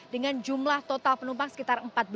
dengan jumlah total penumpang sekitar empat belas